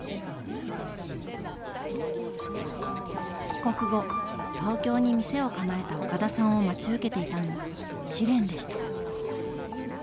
帰国後東京に店を構えた岡田さんを待ち受けていたのは試練でした。